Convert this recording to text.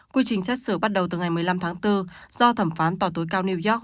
quy trình xét xử bắt đầu từ ngày một mươi năm tháng bốn do thẩm phán tòa tối cao new york